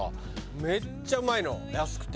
めっちゃうまいの安くて。